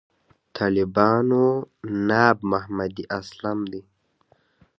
طالبانو ناب محمدي اسلام دی.